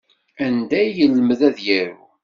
Anda ay yelmed ad yaru?